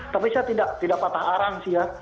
tapi saya tidak patah arang sih ya